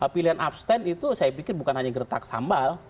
pilihan abstain itu saya pikir bukan hanya gertak sambal